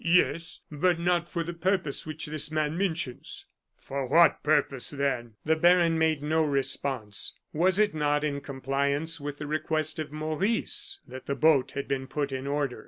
"Yes; but not for the purpose which this man mentions." "For what purpose, then?" The baron made no response. Was it not in compliance with the request of Maurice that the boat had been put in order?